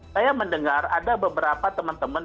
saya mendengar ada beberapa teman teman